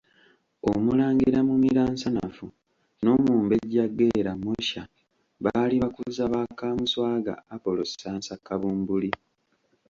Omulangira Mumiransanafu n’omumbejja Geera Mosha baali bakuza ba Kaamuswaga Apollo Ssansa Kabumbuli.